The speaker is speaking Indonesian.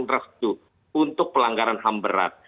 maka kita harus memberikan restu untuk pelanggaran ham berat